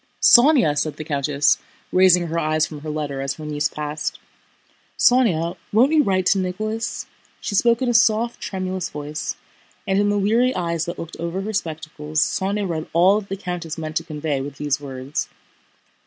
"Sónya!" said the countess, raising her eyes from her letter as her niece passed, "Sónya, won't you write to Nicholas?" She spoke in a soft, tremulous voice, and in the weary eyes that looked over her spectacles Sónya read all that the countess meant to convey with these words.